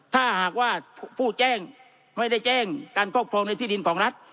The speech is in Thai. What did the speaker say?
ถ้าหากว่าผู้แจ้งไม่ได้แจ้งการครอบครองในที่ดินของรัฐ